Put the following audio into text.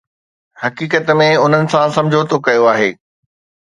حقيقت ۾ انهن سان سمجهوتو ڪيو آهي.